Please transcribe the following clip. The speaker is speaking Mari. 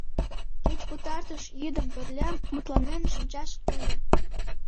Кеч пытартыш йӱдым пырля мутланен шинчаш ыле.